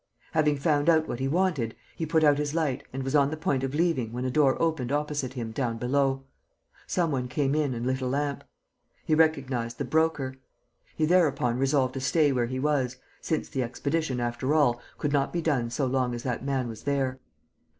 Having found out what he wanted, he put out his light and was on the point of leaving, when a door opened opposite him, down below. Some one came in and lit a lamp. He recognized the Broker. He thereupon resolved to stay where he was, since the expedition, after all, could not be done so long as that man was there.